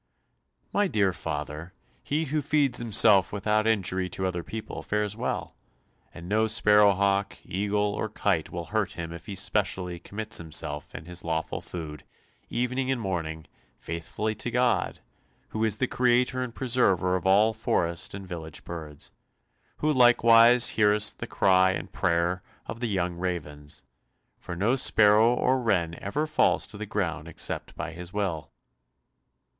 "My dear father, he who feeds himself without injury to other people fares well, and no sparrow hawk, eagle, or kite will hurt him if he specially commits himself and his lawful food, evening and morning, faithfully to God, who is the Creator and Preserver of all forest and village birds, who likewise heareth the cry and prayer of the young ravens, for no sparrow or wren ever falls to the ground except by his will."